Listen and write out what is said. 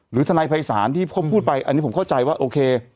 ทนายภัยศาลที่ผมพูดไปอันนี้ผมเข้าใจว่าโอเค